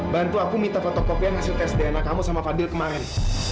bantu aku minta fotokopian hasil tes dna kamu sama fadil kemarin